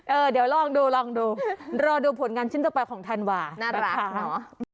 เออเดี๋ยวลองดูลองดูรอดูผลงานชิ้นต่อไปของธันวาน่ารักเนอะ